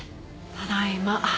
ただいま。